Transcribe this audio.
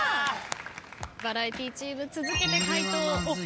バラエティチーム続けて解答。